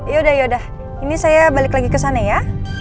yaudah ini saya balik lagi kesana ya